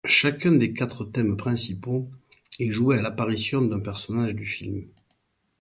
Chacun des quatre thèmes principaux est joué à l'apparition d'un personnage du film.